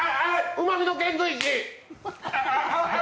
うまみの遣隋使！